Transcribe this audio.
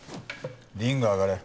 リング上がれ。